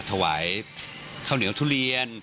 ถวายข้าวเหนียวทุเรียน